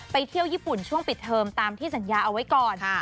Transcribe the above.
เที่ยวญี่ปุ่นช่วงปิดเทอมตามที่สัญญาเอาไว้ก่อน